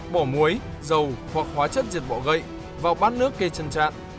bỏ muối dầu hoặc hóa chất diệt bọ gậy vào bát nước kê chân trạn